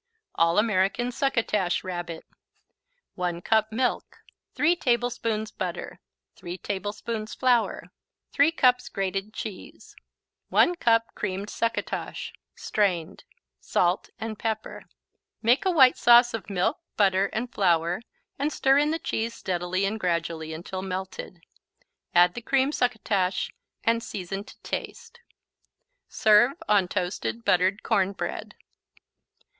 All American Succotash Rabbit 1 cup milk 3 tablespoons butter 3 tablespoons flour 3 cups grated cheese 1 cup creamed succotash, strained Salt and pepper Make a white sauce of milk, butter and flour and stir in the cheese steadily and gradually until melted. Add the creamed succotash and season to taste. Serve on toasted, buttered corn bread.